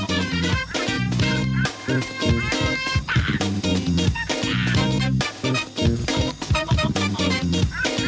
โปรดติดตามตอนต่อไป